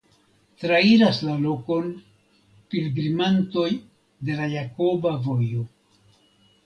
Trairas la lokon pilgrimantoj de la Jakoba Vojo.